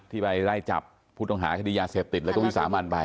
ไปไล่จับผู้ต้องหาคดียาเสพติดแล้วก็วิสามันไป